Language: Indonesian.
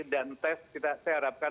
dan tes kita seharapkan